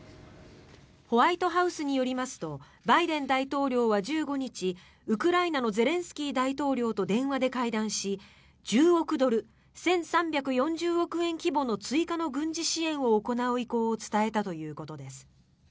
ホワイトハウスによりますとバイデン大統領は１５日ウクライナのゼレンスキー大統領と電話で会談し１０億ドル、１３４０億円規模の追加の軍事支援を行う意向を伝えたということです。